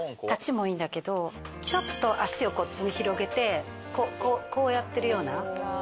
立ちもいいんだけどちょっと足をこっちに広げてこうやってるような。